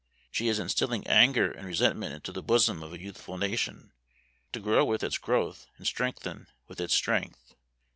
She is instilling anger and resentment into the bosom of a youthful nation, to grow with its growth, and strengthen with its strength.